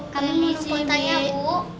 kami menunggu kontanya bu